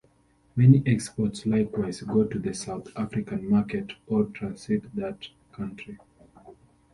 Many exports likewise go to the South African market, or transit that country.